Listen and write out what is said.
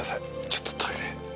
ちょっとトイレ。